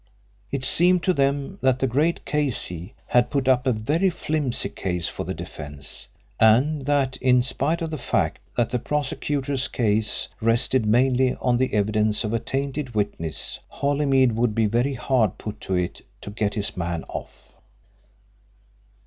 It seemed to them that the great K.C. had put up a very flimsy case for the defence, and that in spite of the fact that the prosecutor's case rested mainly on the evidence of a tainted witness Holymead would be very hard put to it to get his man off.